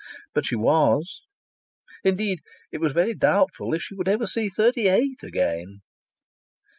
But she was! Indeed, it was very doubtful if she would ever see thirty eight again.